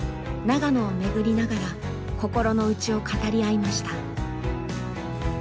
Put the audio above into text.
長野を巡りながら心の内を語り合いました。